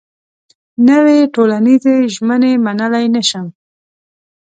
نوې ټولنيزې ژمنې منلای نه شم.